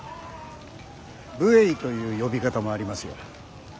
武衛という呼び方もありますよ。